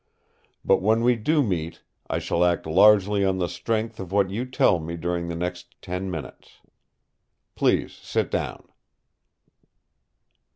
But when we do meet I shall act largely on the strength of what you tell me during the next tea minutes. Please sit down!"